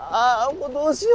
もうどうしよう！